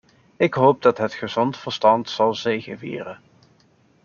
Ik hoop dat het gezond verstand zal zegevieren.